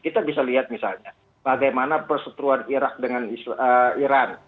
kita bisa lihat misalnya bagaimana perseturuan irak dengan iran